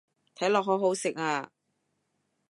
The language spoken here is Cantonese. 睇落好好食啊